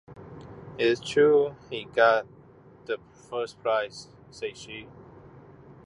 “It’s true: he has got the first prize,” said she.